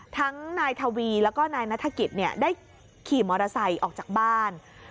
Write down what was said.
ทั้งนายทวีแล้วก็นายนัฐกิจได้ขี่มอเตอร์ไซค์ออกจากบ้าน